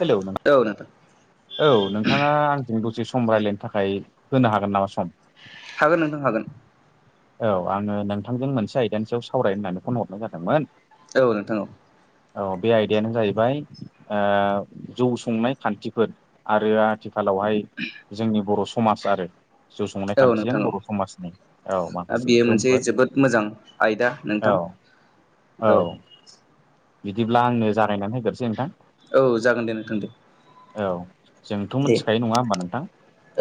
Hello नों औ नोंथां औ नोंथाङा आंजों दसे सम रायज्लायनो थाखाय होनो हागोन नामा सम हागोन नोंथां हागोन। औ आङो नोंथांजों मोनसे आयदानि सायाव सावरायनो होननानै फन हरनाय जादोंमोन। औ नोंथां औ औ बे आयदायानो जाहैबाय ओ जौ संनाय खान्थिफोर आरो आथिखालावहाय जोंनि बर' समाज आरो जौ संनाय औ खान्थिजों नोंथां बर' समाजनि औ माखासे बेयो मोनसे गोहोमफोर जोबोद मोजां आयदा औ नोंथां औ बिदिब्ला आंनो जारायनानै होग्रोसै नोंथां। औ जागोन दे नोंथां दे। औ जोंथ' दे मोनथिखायो नङा होमबा नोंथां।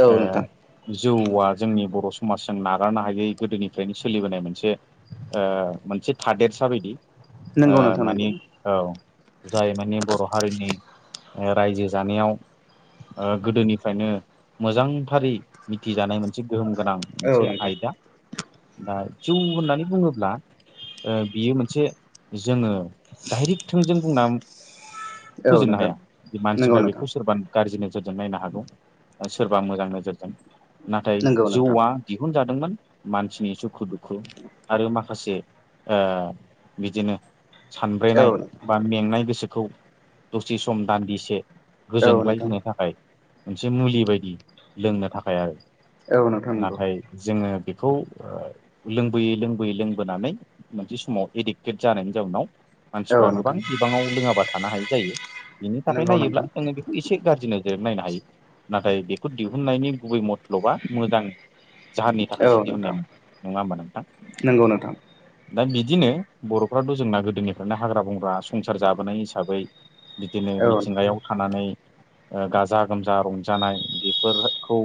औ नोंथां ओ जौआ जोंनि बर' समाजजों नागारनो हायै गोदोनिफ्रायनो सोलिबोनाय मोनसे। मोनसे थादेरसा बायदि। नंगौ नोंथां नंगौ माने औ जाय माने बर' हारिनि। ओ रायजो जानायाव ओ गोदोनिफ्रायनो मोजांथारै मिथिजानाय मोनसे गोहोम गोनां औ मोनसे नोंथां आयदा दा जौ होननानै बुङोब्ला बियो मोनसे जोङो डाइरेक्ट थोंजों बुंना। औ फोजोबनो नोंथां। हाया नंगौ मानसिफ्रा नोंथां बेखौ सोरबा गाज्रि नोजोरजों नायनो हागौ सोरबा मोजां नोजोरजों। नाथाय नंगौ नोंथां जौआ दिहुनजादोंमोन मानसिनि सुखु दुखु। आरो माखासे बिदिनो। औ सानब्रेनाय बा मेंनाय गोसोखौ दसे सम दान्दिसे। नोंथां औ गोजोनग्लाय नोंथां होनो थाखाय मोनसे मुलि बायदि लोंनो थाखाय आरो। नंगौ नाथाय जोङो बेखौ। लोंबोयै लोंबोयै लोंबोनानै मोनसे समाव एडिक्टेड जानायनि जाउनाव। मानसिफ्रा औ गोबां नोंथां बिबाङाव लोङाबा थानो हाय जायो बिनि थाखाय नंगौ नायोब्ला नोंथां जोङो बे। एसे गाज्रि नोजोर नायनो हायो नाथाय बेखौ दिहुननायनि गुबै मथल'बा मोजां। जाहोननि थाखायसो औ नोंथां दिहुननायमोन नङा होमबा नोंथां। नंगौ नोंथां दा बिदिनो बर'फ्राथ' जोंना गोदोनिफ्रायनो हाग्रा बंग्रा संसार जाबोनाय हिसाबै। बिदिनो औ नोंथां मिथिंगायाव थानानै। गाजा गोमजा रंजानाय बेफोरखौ।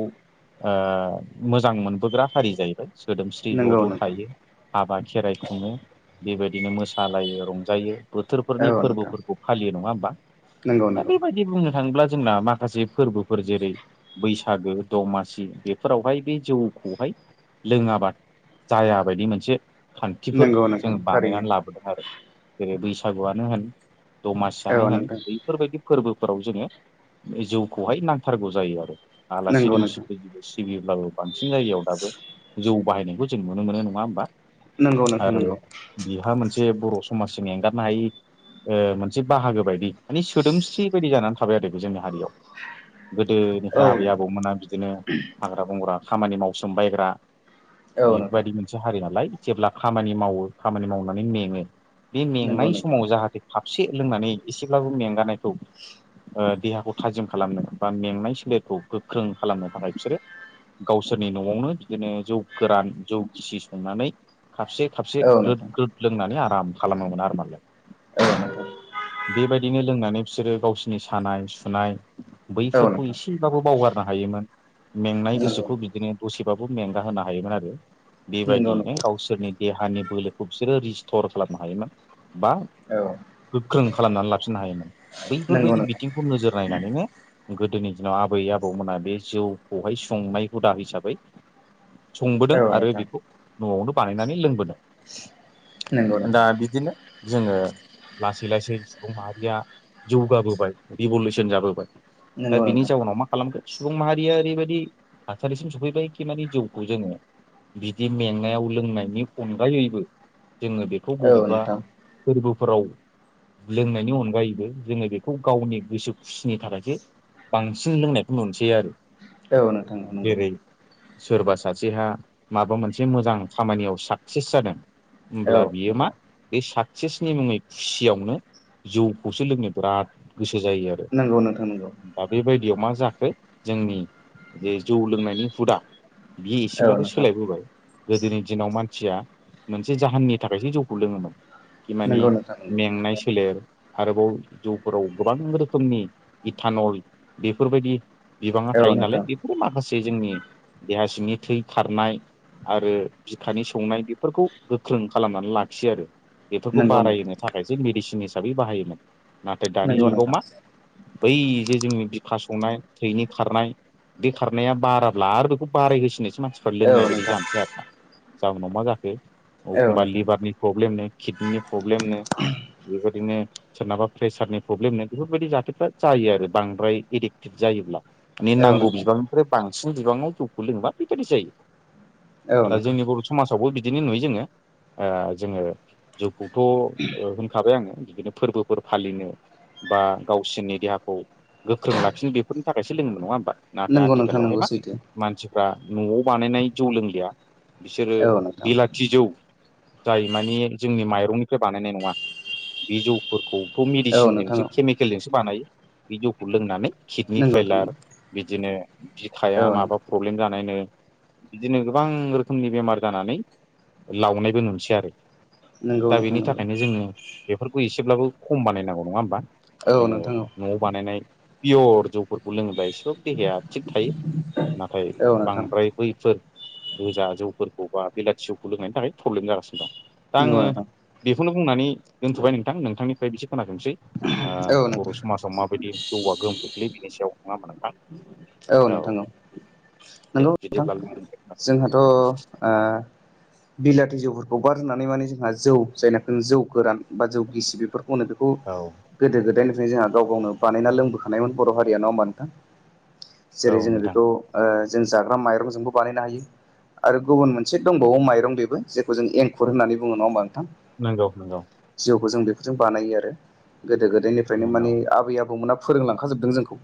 मोजां मोनबोग्रा हारि जाहैबाय सोदोमस्रि ज' नंगौ ज' नोंथां थायो। हाबा खेराइ खुङो बेबायदिनो मोसालायो रंजायो। बोथोरफोरनि औ नोंथां फोरबोफोरखौ फालियो नङा होमबा नंगौ दा नंगौ बेबायदि बुंनो थाङोब्ला जोंना माखासे। माखासे फोरबोफोर जेरै बैसागो दमासि बेफोरावहाय बे जौखौहाय। लोङाबा जायाबायदि मोनसे। खान्थिफोर नंगौ नोंथां जोङो थारैनो बानायनानै लाबोदों आरो जेरै बैसागुआनो होन। दमासियानो औ होन नोंथां बैफोरबायदि फोरबोफोराव जोङो जिौखौहाय नांथारगौ जायो आरो। आलासि नंगौ दुमसि नोंथां फैज। सिबियोब्लाबो बांसिन जायगायाव दाबो जौ बाहायनायखौ जों नुनो मोनो नङा होमबा। नंगौ नोंथां आरो। नंगौ बिहा मोनसे बर' समाजजों एंगारनो हायि मोनसे बाहागो बायदि। माने सोदोमस्रि बायदि जानानै थाबाय आरो बे जोंनि हारियाव। औ गोदोनिफ्राय आबै नोंथां आबौमोना बिदिनो हाग्रा बंग्रा खामानि मावसोम बायग्रा। औ नोंथां बेफोरबायदि मोनसे हारि नालाय जेब्ला खामानि मावो खामानि मावनानै मेङो। बे नंगौ मेंनाय नोंथां समाव जाहाथे खपसे लोंनानै एसेब्लाबो मेंगानायखौ। देहाखौ थाजिम खालामनो बा मेंनाय सोलेरखौ गोख्रों खालामनो थाखाय बिसोरो। गावसोरनि न'आवनो बिदिनो जौ गोरान जौ गिसि संनानै। खाबसे खपसे औ ग्रोद नोंथां ग्रद लोंनानै आराम खालामोमोन आरो मालायाव। बेबायदिनो लोंनानै बिसोरो गावसिोरनि सानाय सुनाय। औ नोंथां औ बैफोरखौ नोंथां एसेबाबो बावगारनो हायोमोन। मेंनाय गोसोखौ बिदिनो दसेबाबो मेंगा होनो हायोमोन आरो नंगौ नंगौ बेबायदियनो नोंथां गावसोरनि। देहानि बोलोखौ बिसोरो रिस्टर खालामनो हायोमोन बा औ गोख्रों। खालामनानै लाफिननो हायोमोन नंगौ बैफोरबायदि नोंथां बिथिंखौ नोजोर नायनानैनो। गोदोनि दिनाव आबै आबौमोना बे जौखौहाय संनाय हुदा हिसाबै संबोदों औ आरो नोंथां बेखौ न'आवनो बानायनानै लोंबोदों नंगौ दा नोंथां बिदिनो जोङो लासै लासै सुबुं माहारिया जौगाबोबाय रिभलउसन जाबोबाय दा नंगौ बेनि नोंथां जाउनाव मा खालामगोन सुबुं माहारिया ओरैबायदि थासारिसिम सफैबायखि माने जौखौ जोङो बिदि मेंनायाव लोंनायनि अनगायैबो जोङो बेखौ औ बबेबा नोंथां फोरबोफोराव लोंनायनि अनगायैबो जोङो बेखौ गावनि गोसो खुसिनि थाखायसो बांसिन लोंनायखौ नुसै आरो खनो थांनोनांगौ जेरै सोरबा सासेहा माबा मोनसे मोजां खामानियाव साक्सेस जादों होमब्ला औ बियो मा नोंथां बे साक्सेसनि मुङै खुसियावनो जौखौसो लोंनो बिराद गोसो जायो आरो नंगौ नोंथां नोंगौ दा बेबायदियाव मा जाखो जोंनि जे जौ लोंनायनि हुदा बि औ एसेब्लाबो नोंथां सोलायबोबाय गोदोनि दिनाव मानसिया मोनसे जाहोननि थाखायसो जौखौ लोङोमोन माने नंगौ नोंथां नंगौ मेंनाय फोलेर आरोबाव जिफोराव गोबां रोखोमनि गिटानल बेफोरबायदि बिबाङा औ थायो नालाय नोंथां बे माखासे जोंनि देहा सिंनि थै खारनाय आरो बिखानि संनाय बेफोरखौ गोख्रों खालामनानै लाखियो आरो बेफोरखौ नंगौ नोंथां बारायो थाखायसो मेडिसिन हिसाबै बाहायोमोन नाथाय दानि नंगौ जुगाव नोंथां मा बै जे जोंनि बिखा संनाय थैनि खारनाय बे खारनाया बाराब्ला आरो बेखौ बारायहोसिनोसो मानसिफ्रा औ लोंनाय बायदि नोंथां जानोसै आरो ना जाहनाव मा जाखो औ एखमबा नोंथां लिभारनि प्रब्लेमनो किडनिनि प्रब्लेमनो बेफोरदिनो सोरनाबा प्रेसारनि प्रब्लेमनो बेफोरबायदि जाथायफ्रा जायो आरो बांद्राय एडिक्टेड जायोब्ला माने औ नांगौ नोंथां बिबांनिफ्राय बांसिन बिबाङाव जौखौ लोङोबा बेबायदि जायो औ दा नोंथां जोंनि बर' समाजावबो बिदिनो नुयो जोङो जोङो जौउखौथ' होनखाबाय आङो बिदिनो फोरबोफोर फालिनो बा गावसिनि देहाखौ गोख्रों लाखिनो बेफोरनि थाखायसो लोंङोमोन नङा होमबा नाथाय नंगौ नोंथां आथिखालावहाय नंगौ मा सैथो मानसिफ्रा न'आव बानायनाय जौ लोंलिया बिसोरो औ नोंथां बिला फिजौ जाय माने जोंनि माइरंनिफ्राय बानायनाय नङा बे जौफोरखौथ' औ नोंथां मेडिसिनजोंसो औ केमिकेलजोंसो बानायो बे जौखौ लोंनानै किडनि नंगौ नोंथां फैलार बिदिनो बिखाया औ माबा नोंथां प्रब्लेम जानायनो बिदिनो गोबां रोखोमनि बेमार जानानै लावनायबो नुसै आरो नंगौ दा नोंथां बेनि नंगौ थाखायनो जोङो बेफोरखौ एसेब्लाबो खम बानायनांगौ नङा होमबा औ जोङो नोंथां न'आव बानायनाय पियर जौफोरखौ लोङोब्ला सोब देहाया थिग थायो नाथाय औ नोंथां बांद्राय बैफोर गोजा जौफोरखौ बा बेलाथि जौखौ लोंनायनि थाखाय प्रब्लेम जागासिनो दं दा नंगौ आङो नोंथां बेखौनो बुंनानै दोनथ'बाय नोंथां नोंथांनिफ्राय बिसे खोनासोंसै औ बर' नोंथां समाजाव माबायदि जौआ गोहोम खोख्लै बिनि सायाव नङा मोन दां औ नोंथां औ नंगौ नोंथां बिदिब्ला जोंहाथ' बिलाथि जौफोरखौ बारहानै माने जोंहा जौ जायनाखि जौ गोरान बा जौगिसि बेफोरखौनो बेखौ औ गोदो गोदायनिफ्राय जोंहा गाव गावनो बानायना लोंबोखानायमोन बर' हारि नङा होमबा नोंथां जेरै औ जोङो नोंथां बेखौ जों जाग्रा माइरंजोंबो बानायनो हायो आरो गुबुन मोनसे दंबावो माइरं बेबो जेखौ जों एंखुर होननानै बुङो नङा होनोमबा नोंथां? नंगौ नंगौ। जिउखौ जों बेफोरजों बानायो आरो गोदो गोदायनिफ्रायनो नंगौ माने आबै आबौमोना फोरोंलांखाजोबदों जोंखौ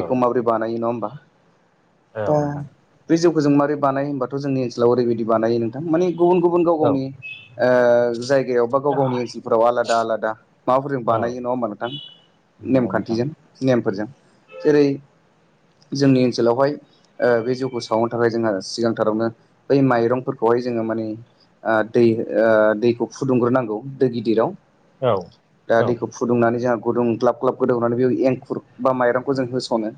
औ माबोरै बानायो नङा होमबा। औ दा नोंथां बे जौखौ जों माबारै बानाय होनबाथ' जोंनि ओनसोलाव ओरैबायदि बानायो नोंथां माने गुबुन गुबुन गाव औ गावनि ओ जायगायाव बा गाव गावनि ओनसोलफोराव आलादा आलादा माबाफोरजों बानायो नङा होमबा नोंथां? नोंगौ नोंथां‌। नेमखान्थिजों नेमफोरजों जेरै जोंनि ओनसोलावहाय ओ बे जि जौखौ सावहनो थाखाय जोंहा सिगांथारावनो बै माइरंफोरखौहाय जोङो माने ओ दै दैखौ फुदुंग्रोनांगौ दै गिदिराव, औ दा औ दैखौ फुदुंनानै जोंहा गुदुं ग्लाब ग्लाब गोदौनानै बे एंखुर बा माइरं होनो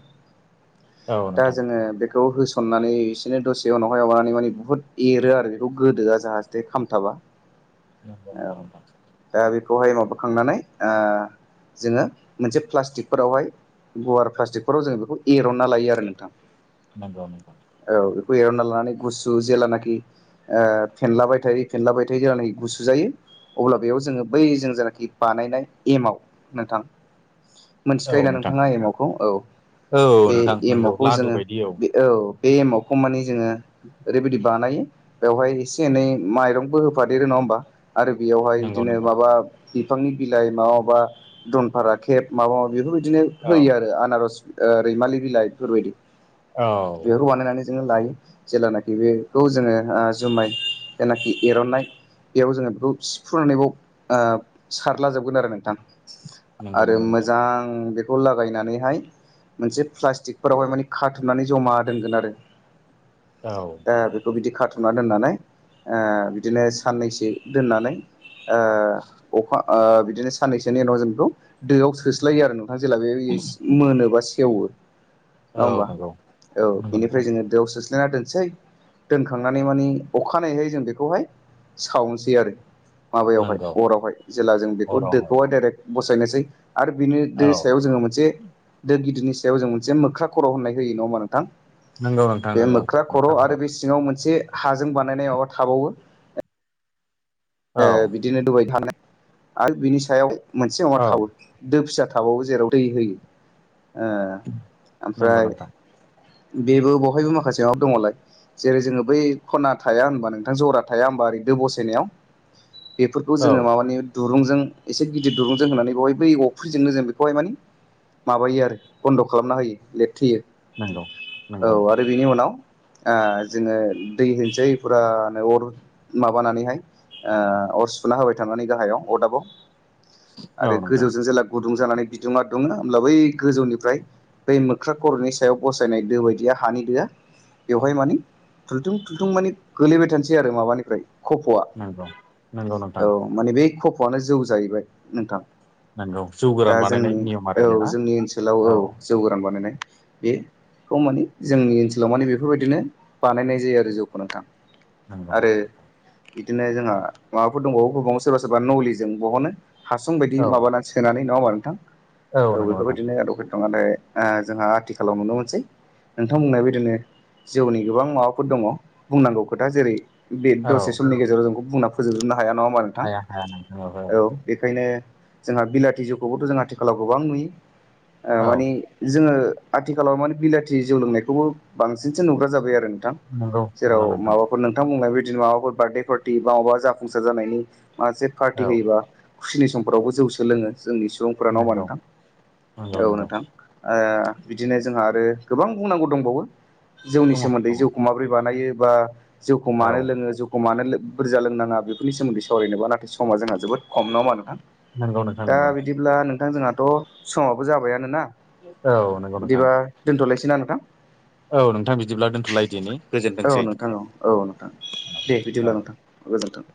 औ दा नोंथां जोङो बेखौ हो सननानै इसेनो दसे उनावहाय हाबनानै माने बुहुद एरो आरो बेखौ गोदोआ जाहे खामथाबा। नगौ औ नगौ नोंथां दा बेखौहाय माबाखांनानै ओ जोङो मोनसे प्लास्टिकफोरावहाय गुवार प्लास्टिकफोराव जोंङ बेखौ एरनना लायो आरो नोंथां। नंगौ नंगौ। औ बेखौ एरावना लानानै गुसु जेेल्लानाखि ओ फेनलाबाय थायो फेनलाबाय थायो होनानै गुसु जायो अब्ला बेयाव जोङो बै जों जेनाखि बानायनाय एमाव नोंथां [inaudible] मोनथिखायोना नोंथां नोंथाङा एम आव खौ औ औ बे नोंथां एम नंगौ आव खौ लादु जोङो बायदि बे औ बे एमावखौ माने जोङो [inaudible] ओरैबायदि बानायो बेवहाय एसे एनै माइरं बबो होफादेरो नङा होमबा आरो बेयावहाय नंगौ बिदिनो नोंथां माबा बिफांनि बिलाइ माबा माबा दनफारा खेब माबा माबा बेफोरबायदिनो औ होयो आरो आनारस ओ रैमालि बिलाइफोरबायदि औ बेखौ बानायनानै लायो जेल्लानाखि बेखौ जोङो ओ जुमाय जेनाखि एरननाय बेयाव जोङो बेखौ सिफ्रुनानैबाव ओ सारला जोबगोन आरो नोंथां। नंगौ आरो नंगौ नोंथां मोजां बेखौ लागायनानैहाय मोनसे औ प्लास्टिकफोरावहाय माने खाथुमनानै जमा दोनगोन आरो औ द बेखौ बिदि कारथुना दोननानै ओ बिदिनो साननैसो दोननानै ओ अखा ओ बिदिनो साननैसोनि उनाव जों बेखौ दोआव सोस्लायो आरो नों माज जेल बे एस होनोबा सेवो नङा औ होमबा नंगौ औ नंगौ नोंथां बेनिफ्राय जोङो दोआव सोस्लायना दोनसै दोनखांनानै मानिे अखानायैहाय जों बेखौहाय सावनोसै आरो माबायावहाय नंगौ अरावहाय जेला जों बेखौ हरावहाय दोखौहाय डाइरेक्ट बसायनोसै आरो बिनि दो औ सायाव जोङो मोनसे दो गिदिरनि सायाव जों मोनसे मोख्रा खर' होननाय होयो नङा होमा नोंथां। नंगौ नोंथां बे नंगौ मोख्रा खर' आरो हराव बे सिङाव मोनसे हाजों बानायनाय माबा थाबावो ओ औ बिदिनो दुबाय थानाय आरो बिनि सायाव मोनसे मबा औ थाबावो दो फिसा थाबावो जेराव दै होयो ओ नंगौ ओमफ्राय नोंथां बेबो बवहायबो माखासे माबा दङलाय? जेरै जोङो बै खना थाया होनबा नोंथां जरा थाया होनबा ओरैदो बसायनायाव बेफोरखौ औ जोङो माबानि दुरुंजों एसे गिदिर दुरुंजों होनानै बेहाय बै अफ्रिजोंनो जों बेखौहाय मानि माबायो आरो बन्द' खालामना होयो लेट थैयो नंगौ नंगौ औ नोंथां आरो बेनि उनाव ओ जोङो दै होनसै फुरानो अर माबानानैहाय ओ अर सुुना होबाय थांनानै गाहायाव अरदाबाव औ आरो नोंथां गोजौजों जेला गुदुं जानानै बिदुंआ दुङो होमब्ला बै गोजौनिफ्राय बै मोख्रा खर'नि सायाव बसायनाय दो बायदिया हानि दोआ बेवहाय माने थुथुं थुलथुं माने गोलैबाय थानोसै आरो माबानिफ्राय कफ'आ। नोंगौ नोंगौ न थां माने बै खफ'आनो जौ जाहैबाय नोंथां नंगौ जौ दा गोरान बानायनाय जोंनि नियम औ आरो बेना जोंनि ओनसोलाव औ जौ गोरान बानायनाय बे बे खौ माने जोंनि ओनसोलाव माने बेफोरबायदिनो बानायनाय जायो आरो जौखोनांथां नांगगौग बिदिनो जोंहा माबाफोर दंबावोबावनो सोरबा सोरबा नलिजों बहनो हासं बायदि औ माबानानै सोनानै नङाोमा नोंथां औ नंगौ नोंथां बेफोरबायदिनो आ दके दं नाथाय ओ जोंहा आथिखालाव नुनो मोनसै नोंथां बुंनाया बिदिनो जिउनि गोबां माबाफोर दङ बुंनांगौ खोथा जेरै बे औ दसे समनि गेजेराव जोंखौ बुंना फोजोबजोबनो हाया नङा होनोमा नोंथां हाया हाया नोंथां औ बेखायनो जोंहा बिलाथि जौखौबोथ' जों आथिखालाव गोबां नुयो ओ औ मानि जोङो आथिखालाव माने बिलाथि जौ लोंनायखौबो बांसिनसो नुग्रा जाबाय आरो नोंथां। नंगौ जेराव नंगौ नोंथां माबाफोर नोंथां बुंनाय बिदिनो माबाफोर बार्थडे पार्टि बा अबावबा जाफुंसार जानायनि माखासे औ पार्टि होयोबा खुसिनि समफोरावबो जौसो लोङो जोंनि सुबुंफोर न होमा नंगौ नोंथां नंगौ औ नंगौ नोंथां बिदिनो जोंहा आरो गोबां बुंनांगौ दंबावो जौनि दङ सोमोन्दै दङ जौ माब्रै बानायो बा जौखौ औ मानो लोङो ज हमानो बुरजा लोंनाङा बेफोरनि सोमोन्दै सावरायनोबा नाथाय समा जोंहा जोबोद खम नङामा नोंथां नंगौ नोंथां दा नंगौ बिदिब्ला नोंथां जोंहाथ' समावबो जाबायानोना औ नंगौ नोंथां बिदिबा दोनथ'लायसै ना नोंथां औ नोंथां बिदिब्ला दोनथ'लायदिनि गोजोनथोंसै औ भिदििअ औ लानां थां गोजोन्थों